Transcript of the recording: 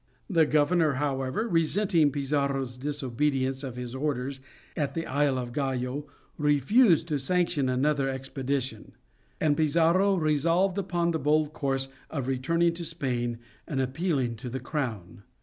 The governor, however, resenting Pizarro's disobedience of his orders at the isle of Gallo, refused to sanction another expedition; and Pizarro resolved upon the bold course of returning to Spain and appealing to the Crown.